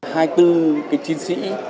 hai tư chiến sĩ